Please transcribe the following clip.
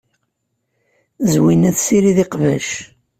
Zwina tessirid iqbac.